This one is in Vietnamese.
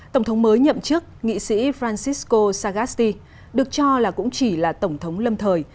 tổng thống mới nhậm chức nghị sĩ francisco sagasti được cho là cũng chỉ là tổng thống lâm thời